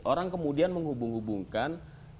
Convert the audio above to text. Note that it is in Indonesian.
orang kemudian menghubung hubungkan